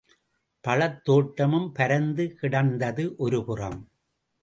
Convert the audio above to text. பழத்தோட்டமும் பரந்து கிடந்தது ஒருபுறம்.